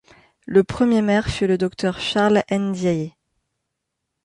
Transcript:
Le premier maire fut le docteur Charles Ndiaye.